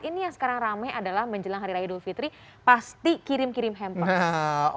ini yang sekarang rame adalah menjelang hari raya dulfitri pasti kirim kirim hampers